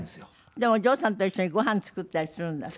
でお嬢さんと一緒にご飯作ったりするんだって？